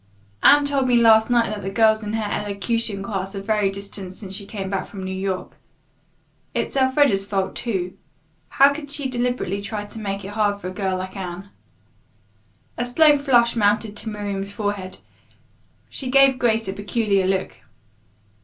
"Anne told me last night that the girls in her elocution class are very distant since she came back from New York. It's Elfreda's fault, too. How could she deliberately try to make it hard for a girl like Anne?" A slow flush mounted to Miriam's forehead. She gave Grace a peculiar look.